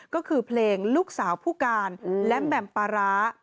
ก็คือเพลงลูกสาวผู้การและแหม่มปาร้า